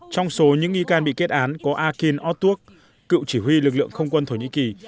trong số những nghi can bị kết án có akin otuok cựu chỉ huy lực lượng không quân thổ nhĩ kỳ